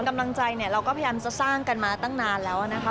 กำลังใจเนี่ยเราก็พยายามจะสร้างกันมาตั้งนานแล้วนะคะ